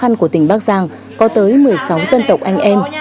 học sinh của tỉnh bắc giang có tới một mươi sáu dân tộc anh em